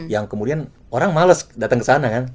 yang kemudian orang males datang ke sana kan